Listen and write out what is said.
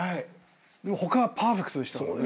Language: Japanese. でも他はパーフェクトでしたから。